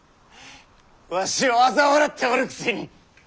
わしをあざ笑っておるくせに！